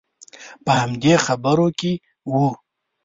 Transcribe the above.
په همدې خبرو کې وو.